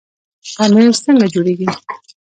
پنیر څنګه جوړیږي؟